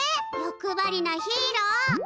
よくばりなヒーロー！